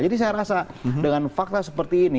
jadi saya rasa dengan fakta seperti ini